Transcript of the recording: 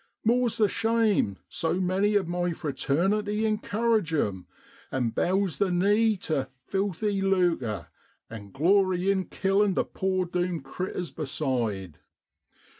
More's the shame so many of my fraternity encourage 'em, and bows the knee tu ' filthy lucre,' and glory in killin' the poor doomed critters beside.